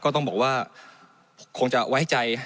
ต้องบอกว่าคงจะไว้ใจ